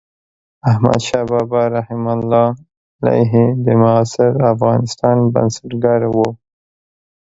احمدشاه بابا رحمة الله علیه د معاصر افغانستان بنسټګر و.